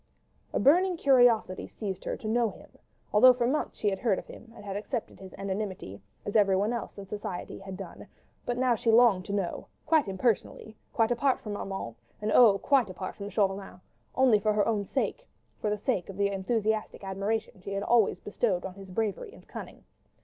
A burning curiosity seized her to know him: although for months she had heard of him and had accepted his anonymity, as everyone else in society had done; but now she longed to know—quite impersonally, quite apart from Armand, and oh! quite apart from Chauvelin—only for her own sake, for the sake of the enthusiastic admiration she had always bestowed on his bravery and cunning.